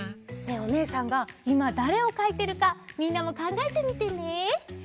おねえさんがいまだれをかいてるかみんなもかんがえてみてね。